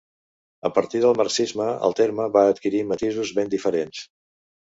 A partir del marxisme el terme va adquirint matisos ben diferenciats.